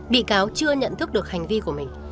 bị cáo chưa nhận thức được hành vi của mình